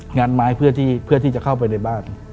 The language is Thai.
งานไม้เพื่อที่จะเข้าไปในบ้าน